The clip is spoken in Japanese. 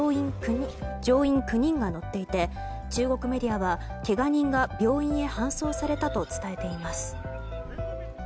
乗員９人が乗っていて中国メディアはけが人が病院へ搬送されたと伝えています。